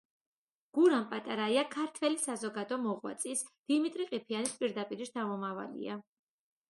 გურამ პატარაია ქართველი საზოგადო მოღვაწის, დიმიტრი ყიფიანის პირდაპირი შთამომავალია.